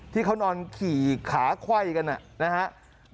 ที่เขานอนขี่ขาไขว้กันนะครับ